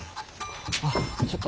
あっちょっと。